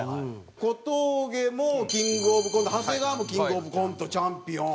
小峠もキングオブコント長谷川もキングオブコントチャンピオン。